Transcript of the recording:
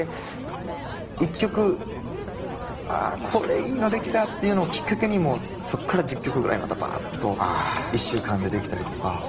１曲「ああこれいいの出来た」っていうのをきっかけにもうそこから１０曲ぐらいまたばっと１週間で出来たりとか。